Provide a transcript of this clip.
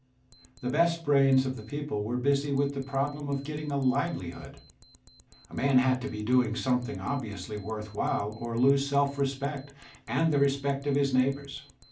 The best brains of the people were busy with the problem of getting a livelihood. A man had to be doing something obviously worth while or lose self respect and the respect of his neighbours.